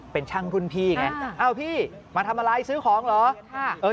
เป็นช่างรุ่นพี่ไงอ้าวพี่มาทำอะไรซื้อของเหรอ